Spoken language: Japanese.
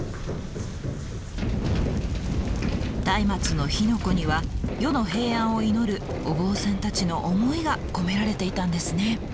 松明の火の粉には世の平安を祈るお坊さんたちの思いが込められていたんですね。